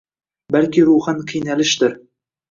balki ruhan qiynalishdir.